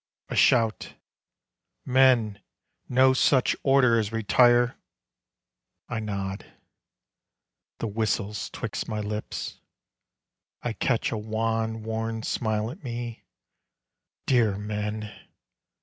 A shout: "Men, no such order as retire" I nod. The whistle's 'twixt my lips.... I catch A wan, worn smile at me. Dear men!